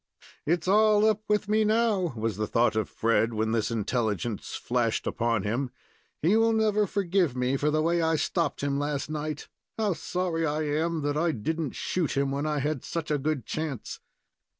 "It's all up with me now," was the thought of Fred, when this intelligence flashed upon him. "He will never forgive me for the way I stopped him last night. How sorry I am that I didn't shoot him when I had such a good chance!"